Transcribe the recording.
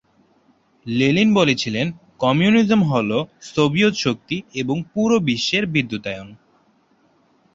Lenin বলেছিলেন "communism হ'ল Soviet শক্তি এবং পুরো দেশের বিদ্যুতায়ন"।